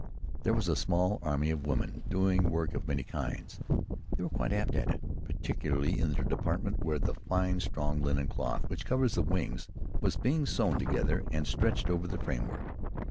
There was a small army of women doing work of many kinds. They were quite apt at it, particularly in the department where the fine strong linen cloth which covers the wings was being sewn together and stretched over the framework.